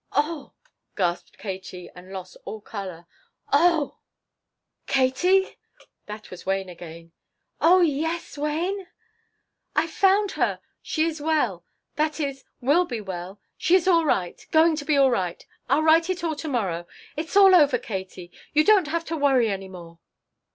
"Oh " gasped Katie, and lost all color "Oh " "Katie ?" That was Wayne again. "Oh yes, Wayne?" "I have found her. She is well that is, will be well. She is all right going to be all right. I'll write it all to morrow. It's all over, Katie. You don't have to worry any more."